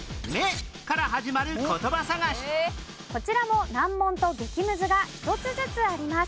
こちらも難問と激ムズが１つずつあります。